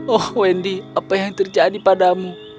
oh wendy apa yang terjadi padamu